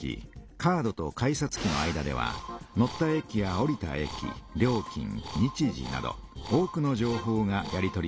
カードと改札機の間では乗った駅やおりた駅料金日時など多くの情報がやり取りされます。